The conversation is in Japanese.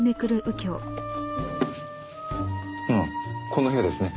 この部屋ですね。